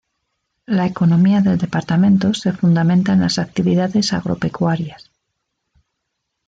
La economía del departamento se fundamenta en las actividades agropecuarias.